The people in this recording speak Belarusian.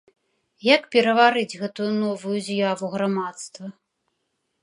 Як пераварыць гэтую новую з'яву грамадства?